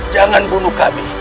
jangan bunuh kami